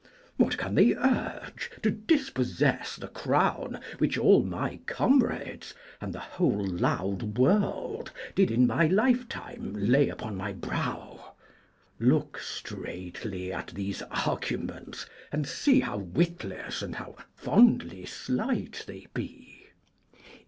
What can they urge to dispossess the crown Which all my comrades and the whole loud world Did in my lifetime lay upon my brow? Look straitly at these arguments and see How witless and how fondly slight they be.